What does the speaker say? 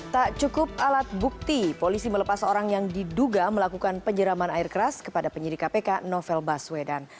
tak cukup alat bukti polisi melepas orang yang diduga melakukan penyeraman air keras kepada penyidik kpk novel baswedan